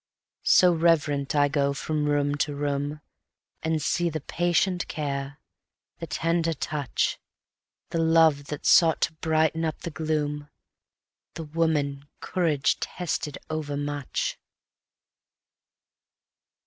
So reverent I go from room to room, And see the patient care, the tender touch, The love that sought to brighten up the gloom, The woman courage tested overmuch.